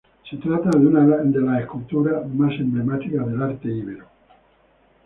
Se trata de una de las esculturas más emblemáticas del arte íbero.